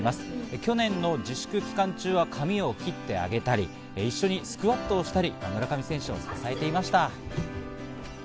去年の自粛期間中は髪を切ってあげたり、一緒にスクワットをしたり、村上選手を支えていました。